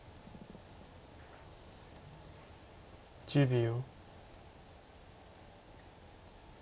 １０秒。